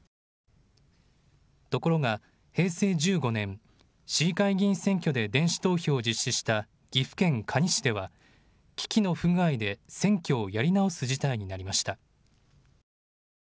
ところが平成１５年、市議会議員選挙で電子投票を実施した岐阜県可児市では機器の不具合で選挙をやり直す事態になりました。